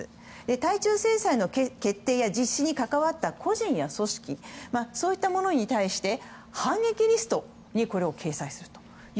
対中制裁の決定や実施に関わった個人や組織そういったものに対して反撃リストに掲載すると。